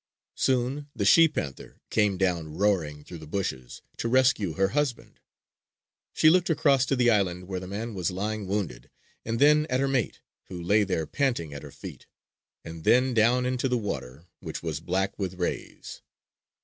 Soon the she panther came down roaring through the bushes to rescue her husband. She looked across to the island where the man was lying wounded; and then at her mate, who lay there panting at her feet; and then down into the water, which was black with rays.